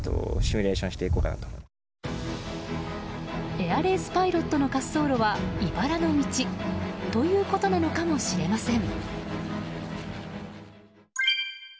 エアレースパイロットの滑走路はいばらの道ということなのかもしれません。